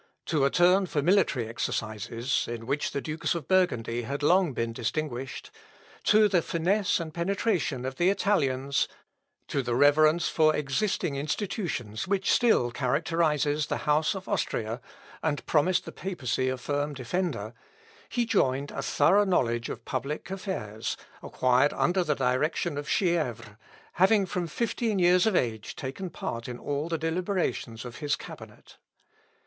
To a turn for military exercises (in which the dukes of Burgundy had long been distinguished) to the finesse and penetration of the Italians to the reverence for existing institutions which still characterises the house of Austria, and promised the papacy a firm defender, he joined a thorough knowledge of public affairs, acquired under the direction of Chièvres, having from fifteen years of age taken part in all the deliberations of his cabinet.